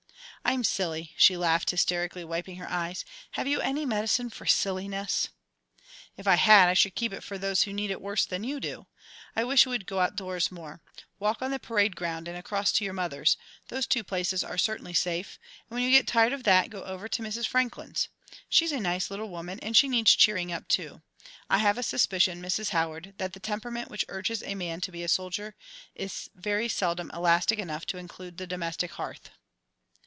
"I'm silly," she laughed hysterically, wiping her eyes. "Have you any medicine for silliness?" "If I had, I should keep it for those who need it worse than you do. I wish you would go outdoors more. Walk on the parade ground and across to your mother's, those two places are certainly safe, and when you get tired of that, go over to Mrs. Franklin's. She's a nice little woman and she needs cheering up, too. I have a suspicion, Mrs. Howard, that the temperament which urges a man to be a soldier is very seldom elastic enough to include the domestic hearth."